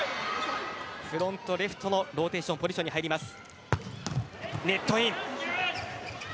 フロントレフトのローテーションポジションに入ります。